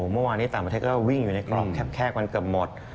เมื่อวานนี้ต่างประเทศก็วิ่งอยู่ในกล่องแคบกันเกือบหมด